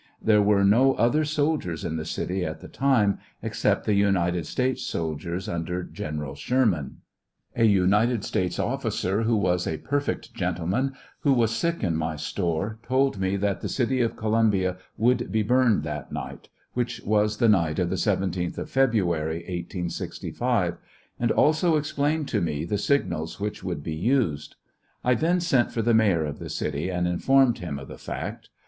There were no other soldiers in the city at the time, except the United States soldiers under General Sherman. A United States officer, who was a perfect gentleman, who was sick in my store, told me that the city of Co lumbia would be burned that night, which was the night of the 17th of February, 1865, and also explained to me the signals which would be used. I then sent for the mayor of the city and informed him of the fact.